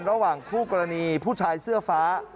ระหว่างคู่กรณีผู้ชายเสื้อฟ้า